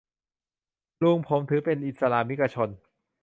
ลุงผมเป็นอิสลามิกชน